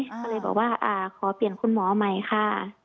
ก็เลยบอกว่าขอเปลี่ยนคุณหมอใหม่ค่ะ